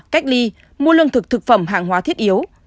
cách ly mua lương thực thực phẩm hàng hóa thiết yếu